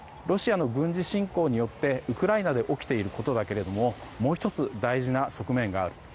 ロシアの軍事侵攻によってウクライナで起きていることだけれどももう１つ、大事な側面がある。